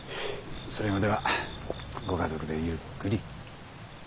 それまではご家族でゆっくり。